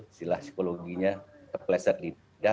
istilah psikologinya terpeleset di tindak